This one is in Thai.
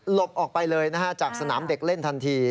บออกไปเลยนะฮะจากสนามเด็กเล่นทันที